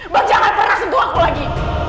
bang jangan pernah sembuh aku lagi